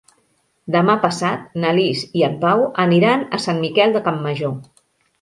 Demà passat na Lis i en Pau aniran a Sant Miquel de Campmajor.